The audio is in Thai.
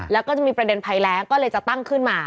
แล้วก็จะมีประเด็นภัยแรงก็เลยจะตั้งขึ้นมา